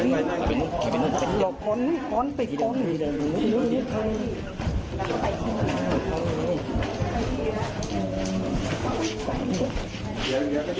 ไม่ต้องหน่อย